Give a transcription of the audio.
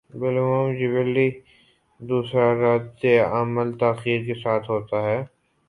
بالعموم جبلّی دوسرا رد عمل تاخیر کے ساتھ ہوتا ہے۔